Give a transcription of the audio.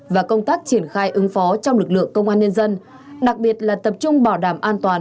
và công tác triển khai ứng phó trong lực lượng công an nhân dân đặc biệt là tập trung bảo đảm an toàn